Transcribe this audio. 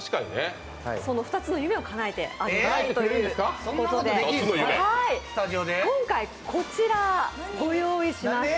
その２つの夢をかなえたいということで、今回、こちら、ご用意しました。